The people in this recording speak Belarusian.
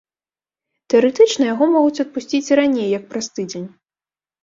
Тэарэтычна яго могуць адпусціць і раней як праз тыдзень.